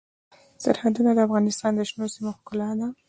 سرحدونه د افغانستان د شنو سیمو ښکلا ده.